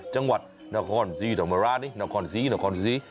จังหวัดนครสีนครสีนครสีนครสีนครสี